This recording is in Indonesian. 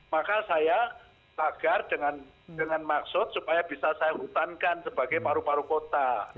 maka saya tagar dengan maksud supaya bisa saya hutankan sebagai paru paru kota